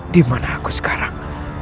dimana aku sekarang